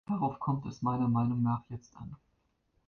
Darauf kommt es meiner Meinung nach jetzt an.